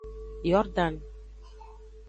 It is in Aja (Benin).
Yordan.